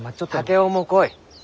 竹雄も来い。